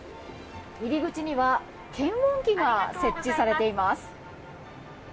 入り口には検温器が設置されています。